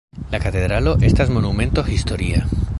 La katedralo estas Monumento historia.